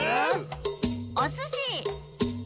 おすし！